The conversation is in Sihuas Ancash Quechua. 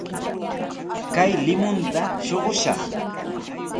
Kay limunta shuqushaq.